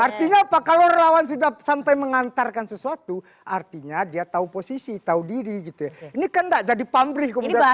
artinya apa kalau relawan sudah sampai mengantarkan sesuatu artinya dia tahu posisi tahu diri gitu ya ini kan tidak jadi pambrih kemudian